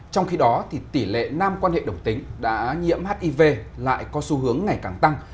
trong khi đó tỷ lệ nam quan hệ đồng tính đã nhiễm hiv lại có xu hướng ngày càng tăng